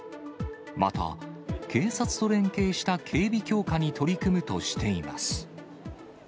また、警察と連携した警備強化に取り組むとしています。